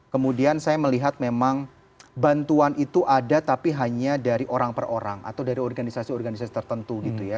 kemudian saya melihat memang bantuan itu ada tapi hanya dari orang per orang atau dari organisasi organisasi tertentu gitu ya